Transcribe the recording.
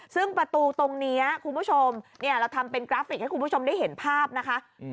ซึ่งประตูตรงนี้คุณผู้ชมเราทำเป็นกราฟิกให้คุณผู้ชมได้เห็นภาพนะคะ